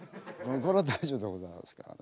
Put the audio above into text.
これは大丈夫でございますからね。